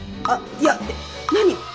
「あっいや」って何？